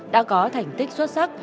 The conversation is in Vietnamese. đã có thành tích xuất sắc